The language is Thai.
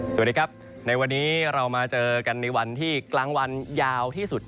สวัสดีครับในวันนี้เรามาเจอกันในวันที่กลางวันยาวที่สุด